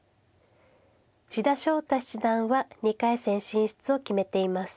千田翔太七段は２回戦進出を決めています。